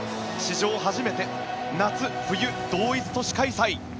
史上初めて夏、冬同一都市開催。